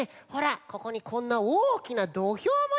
ここにこんなおおきなどひょうもよういしました！